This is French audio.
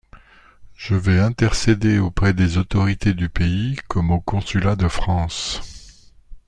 Je vais intercéder auprès des autorités du pays comme au consulat de France.